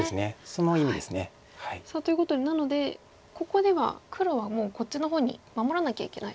その意味です。ということでなのでここでは黒はもうこっちの方に守らなきゃいけないと。